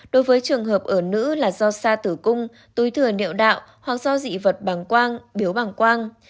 đối với trường hợp ở nữ là do xa tử cung túi thừa nệu đạo hoặc do dị vật bằng quang biếu bằng quang